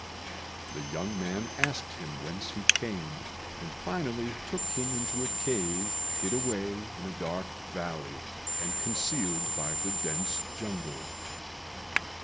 The young man asked him whence he came, and finally took him into a cave hid away in a dark valley and concealed by the dense jungle.